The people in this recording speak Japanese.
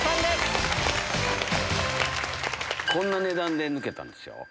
こんな値段で抜けたんですよ。